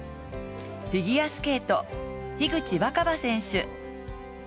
フィギュアスケート樋口新葉選手。